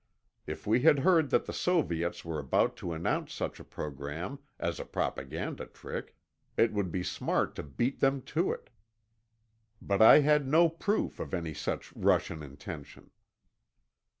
If we had heard that the Soviets were about to announce such a program, as a propaganda trick, it would be smart to beat them to it. But I had no proof of, any such Russian intention.